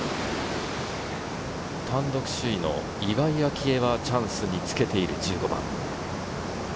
単独首位の岩井明愛はチャンスにつけている１５番。